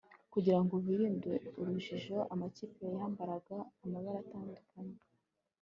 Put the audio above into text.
kugira ngo birinde urujijo, amakipe yambaraga amabara atandukanye